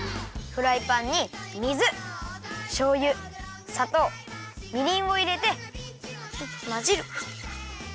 フライパンに水しょうゆさとうみりんをいれてまぜる！